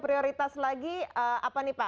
prioritas lagi apa nih pak